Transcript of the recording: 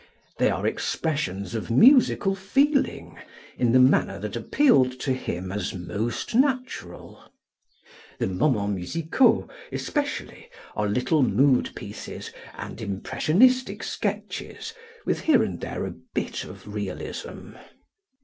They are expressions of musical feeling in the manner that appealed to him as most natural. The "Moments Musicals" especially are little mood pieces and impressionistic sketches with here and there a bit of realism.